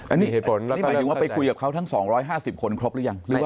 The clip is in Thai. อันนี้เหตุผลนี่หมายถึงว่าไปคุยกับเขาทั้ง๒๕๐คนครบหรือยัง